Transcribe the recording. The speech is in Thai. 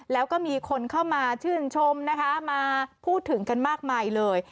แล้วก็มีคนเข้ามาชื่นชมนะคะมาพูดถึงกันมากมายเลย